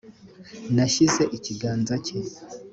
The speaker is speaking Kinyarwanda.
nashyize ikiganza cye